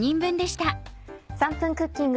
『３分クッキング』